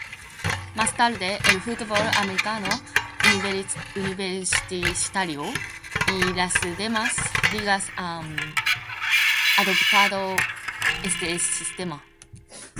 Más tarde, el fútbol americano universitario y las demás ligas han adoptado este sistema.